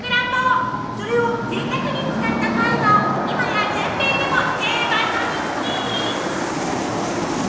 それをぜいたくに使ったパイは今や全米でも定番の人気！